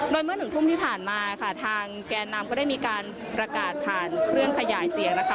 โดยเมื่อหนึ่งทุ่มที่ผ่านมาค่ะทางแก่นำก็ได้มีการประกาศผ่านเครื่องขยายเสียงนะคะ